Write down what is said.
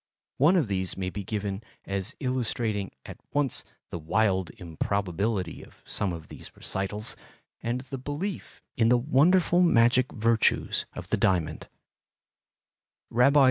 One of these may be given as illustrating at once the wild improbability of some of these recitals and the belief in the wonderful magic virtues of the diamond: R.